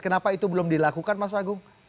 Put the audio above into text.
kenapa itu belum dilakukan mas agung